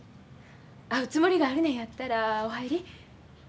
会うつもりがあるのやったらお入り。